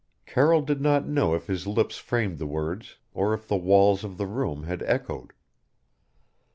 Carroll did not know if his lips framed the words or if the walls of the room had echoed.